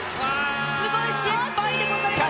すごい、失敗でございます。